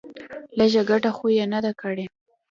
لږه گټه خو يې نه ده کړې.